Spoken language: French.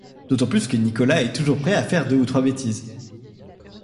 D'autant plus que Nicolas est toujours prêt à faire deux ou trois bêtises.